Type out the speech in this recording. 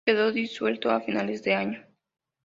Quedó disuelto a finales de año.